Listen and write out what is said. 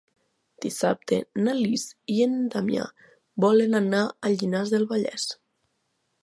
Dissabte na Lis i en Damià volen anar a Llinars del Vallès.